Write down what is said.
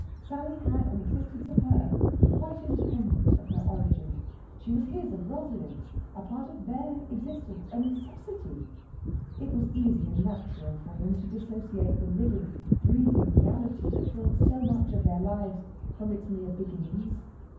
Sally had an existence of her own quite independent of her origin. She was his and Rosalind's a part of their existence, a necessity. It was easy and natural for him to dissociate the living, breathing reality that filled so much of their lives from its mere beginnings.